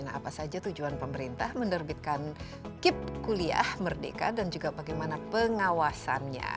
nah apa saja tujuan pemerintah menerbitkan kip kuliah merdeka dan juga bagaimana pengawasannya